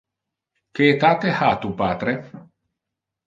Que etate ha tu patre?